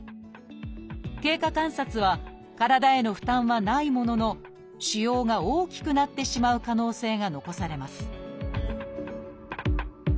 経過観察は体への負担はないものの腫瘍が大きくなってしまう可能性が残されます